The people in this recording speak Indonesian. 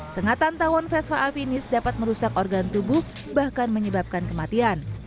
sengatan tawon vespa afinis dapat merusak organ tubuh bahkan menyebabkan kematian